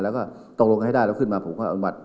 แล้วก็ตกลงกันให้ได้แล้วขึ้นมาผมก็เอาบัตร